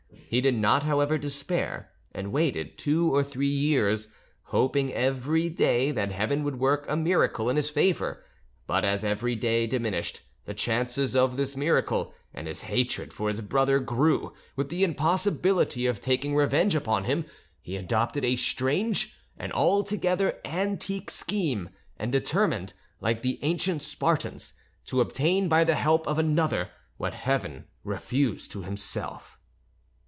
He did not, however, despair, and waited two or three years, hoping every day that Heaven would work a miracle in his favour; but as every day diminished the chances of this miracle, and his hatred for his brother grew with the impossibility of taking revenge upon him, he adopted a strange and altogether antique scheme, and determined, like the ancient Spartans, to obtain by the help of another what Heaven refused to himself.